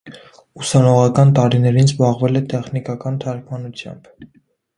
Ուսանողական տարիներին զբաղվել է տեխնիկական թարգմանությամբ։